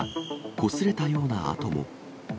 こすれたような跡も。